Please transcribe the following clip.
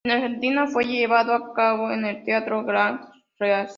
En Argentina fue llevado a cabo en el teatro Gran Rex.